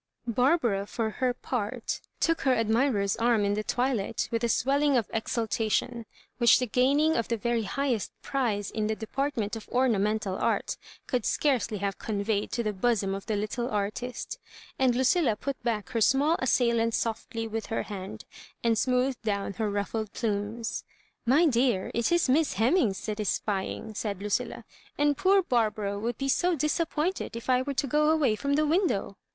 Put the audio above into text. Barbara, for her part, took her admirer's arm in the twilight with a swelling of exultation, which the gaining of the very highest prize in the department of ornamental art could scarcely have conveyed to the bosom of the little artist; and Lucilla put back her small assailant softly with her iiand, and smoothed down her ruffled plumes. " My dear, it is Miss Hemmings that is spying, said Lucilla; "and poor Barbara would be so disappointed if I were to go away from the win dow.